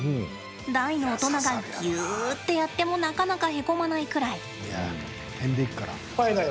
大の大人がギューってやってもなかなかへこまないくらい。